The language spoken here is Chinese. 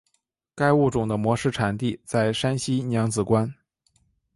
该物种的模式产地在山西娘子关。